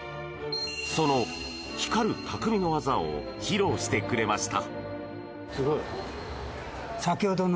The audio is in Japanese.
その光る、たくみの技を披露してくれました。